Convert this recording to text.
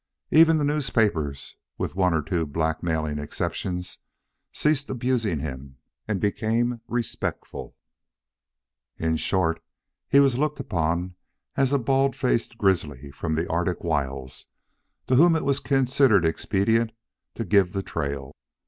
Even the newspapers, with one or two blackmailing exceptions, ceased abusing him and became respectful. In short, he was looked upon as a bald faced grizzly from the Arctic wilds to whom it was considered expedient to give the trail.